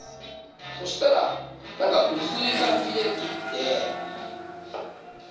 そしたらなんか薄い感じで切って。